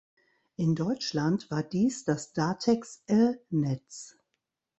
In Deutschland war dies das Datex-L-Netz.